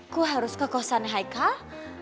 ku harus ke kosan haikal